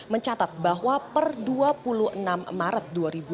mencatat bahwa per dua puluh enam maret dua ribu dua puluh